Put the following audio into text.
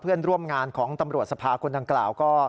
เพื่อนร่วมงานของตำรวจสภาคนดังกล่าวก็